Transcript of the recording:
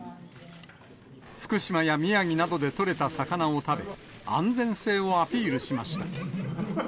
福島や宮城などで取れた魚を食べ、安全性をアピールしました。